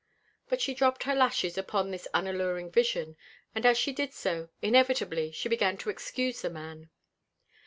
But she dropped her lashes upon this unalluring vision, and as she did so, inevitably she began to excuse the man.